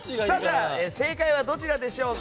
正解はどちらでしょうか。